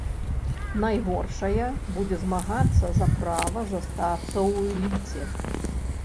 Найгоршая будзе змагацца за права застацца ў эліце.